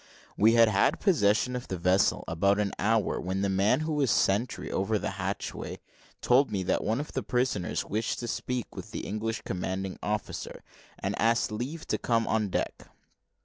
We had had possession of the vessel about an hour, when the man who was sentry over the hatchway told me that one of the prisoners wished to speak with the English commanding officer, and asked leave to come on deck.